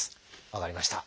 分かりました。